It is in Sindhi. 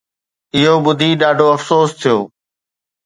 اهو ٻڌي ڏاڍو افسوس ٿيو